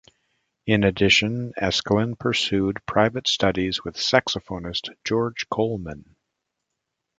In addition Eskelin pursued private studies with saxophonist George Coleman.